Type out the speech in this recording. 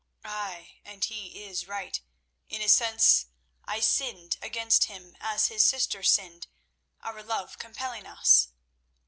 Ay, and he is right. In a sense I sinned against him as his sister sinned, our love compelling us.